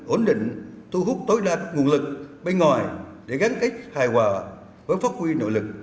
ổn định thu hút tối đa các nguồn lực bên ngoài để gắn kết hài hòa với phát huy nội lực